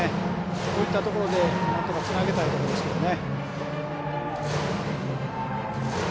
こういったところでなんとかつなげたいところですね。